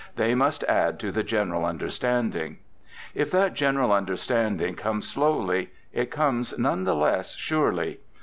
They must add to the general understanding. If that general understanding comes slowly, it comes none the less surely.